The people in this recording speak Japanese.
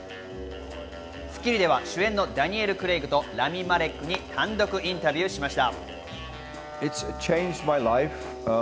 『スッキリ』では主演のダニエル・クレイグとラミ・マレックに単独インタビューしました。